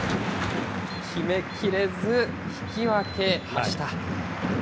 決めきれず引き分けでした。